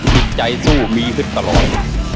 คิดใจสู้มีฮึดตลอด